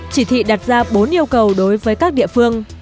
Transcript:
chỉ thị đặt ra bốn yêu cầu đối với các địa phương